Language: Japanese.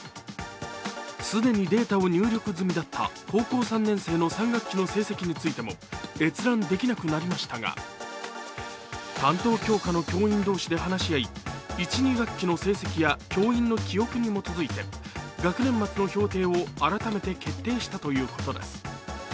既にデータを入力済みだった高校３年生の３学期の成績についても閲覧できなくなりましたが、担当教科の教員同士で話し合い、１・２学期の成績や教育院の記憶に基づいて学年末の評定を改めて決定したということです。